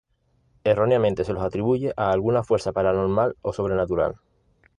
Erróneamente se los atribuye a alguna fuerza paranormal o sobrenatural.